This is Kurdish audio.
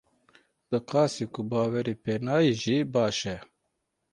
Bi qasî ku bawerî pê nayê jî baş e.